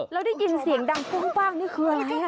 แล้วได้ยินเสียงดังปุ้งปั้งนี่คืออะไร